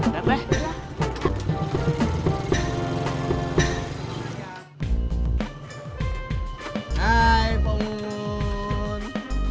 hai pak mumun